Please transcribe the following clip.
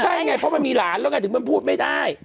ใช่ไงเพราะมันมีหลานแล้วไงถึงมันพูดไม่ได้